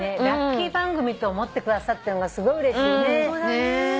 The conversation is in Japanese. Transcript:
ラッキー番組と思ってくださってるのがすごいうれしいね。